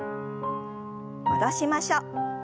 戻しましょう。